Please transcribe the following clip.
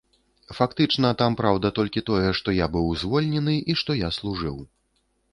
Фактычна там праўда толькі тое, што я быў звольнены і што я служыў.